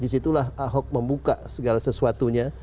disitulah ahok membuka segala sesuatunya